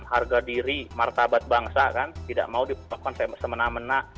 harga diri martabat bangsa kan tidak mau dilakukan semena mena